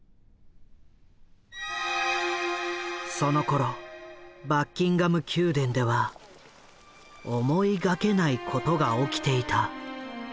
そのころバッキンガム宮殿では思いがけないことが起きていた。